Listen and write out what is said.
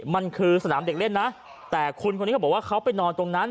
มันคือสนามเด็กเล่นนะแต่คุณคนนี้เขาบอกว่าเขาไปนอนตรงนั้น